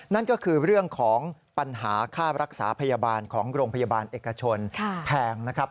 นั่นก็คือเรื่องของปัญหาค่ารักษาพยาบาลของโรงพยาบาลเอกชนแพงนะครับ